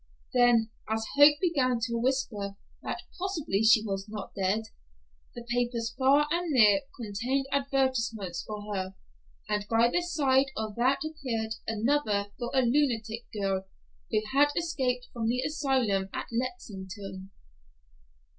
Then, as hope began to whisper that possibly she was not dead, the papers far and near contained advertisements for her, and by the side of that appeared another for a lunatic girl, who had escaped from the asylum at Lexington.